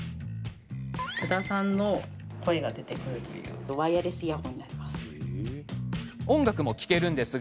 津田さんの声が出てくるというワイヤレスイヤホンになります。